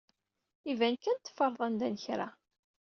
Iban kan teffred anda n kra.